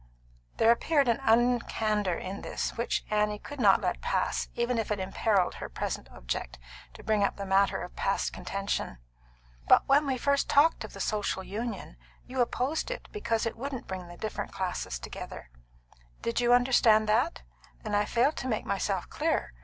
There appeared an uncandour in this which Annie could not let pass even if it imperilled her present object to bring up the matter of past contention. "But when we first talked of the Social Union you opposed it because it wouldn't bring the different classes together." "Did you understand that? Then I failed to make myself clear.